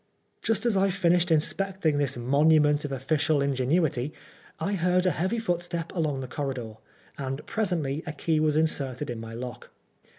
Just as I finished inspecting this monument of official ingenuity, I heard a heavy footstep along the corridor, and presently a key was inserted in my lock.